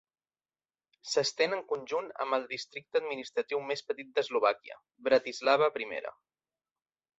S'estén en conjunt amb el districte administratiu més petit d'Eslovàquia, Bratislava I.